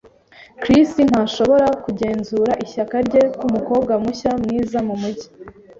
Chris ntashobora kugenzura ishyaka rye kumukobwa mushya mwiza mumujyi.